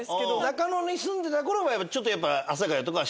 中野に住んでたころもちょっとやっぱ。